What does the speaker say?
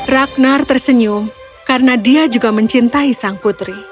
ragnar tersenyum karena dia juga mencintai sang putri